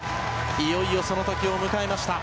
いよいよその時を迎えました。